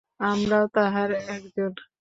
আমরাও তাহার একজন।